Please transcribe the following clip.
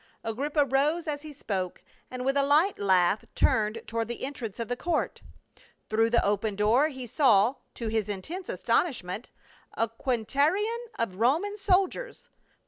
Agrippa rose as he spoke and with a light laugh turned toward the entrance of the court ; through the open door he saw, to his intense astonishment, a qua ternion of Roman soldiers.